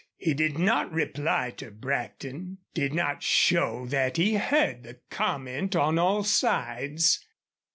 He did not reply to Brackton did not show that he heard the comment on all sides.